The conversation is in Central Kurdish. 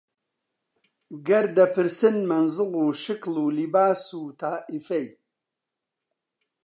گەر دەپرسن مەنزڵ و شکڵ و لیباس و تائیفەی